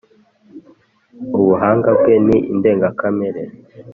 Ubuhanga bwe ni indengakamere